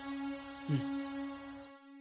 うん。